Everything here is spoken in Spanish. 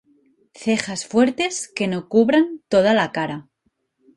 Cejas fuertes que no cubran toda la cara.